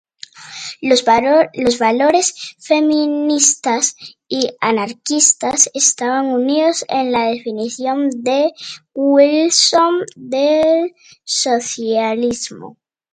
Los valores feministas y anarquistas estaban unidos en la definición de Wilson del socialismo.